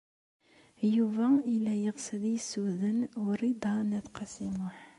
Yuba yella yeɣs ad yessuden Wrida n At Qasi Muḥ.